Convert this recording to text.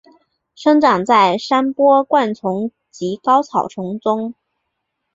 生长在山坡灌丛及高草丛中。